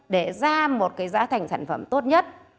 để ra một cái giá thành sản phẩm tốt nhất